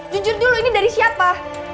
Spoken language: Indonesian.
jujur dulu ini dari siapa